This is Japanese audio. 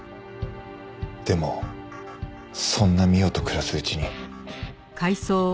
でもそんな美緒と暮らすうちに。